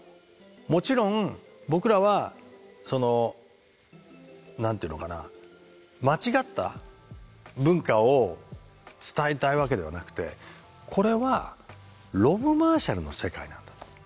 もちろん僕らは何て言うのかな間違った文化を伝えたいわけではなくてこれはロブ・マーシャルの世界なんだと。